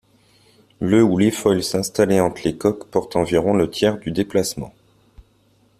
Le ou les foils installés entre les coques portent environ le tiers du déplacement.